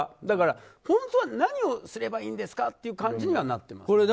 だから、本当は何をすればいいんですかっていう感じにはなってますね。